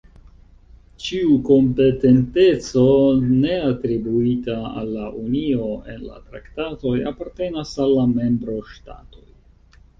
Ĉiu kompetenteco ne atribuita al la Unio en la Traktatoj apartenas al la membroŝtatoj.